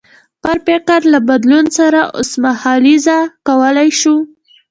خپل فکر له بدلون سره اوسمهالیزه کولای شو.